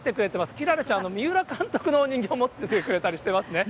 きららちゃんは三浦監督のお人形持っててくれたりしてますね。